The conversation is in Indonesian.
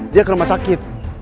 dia ke rumah sakit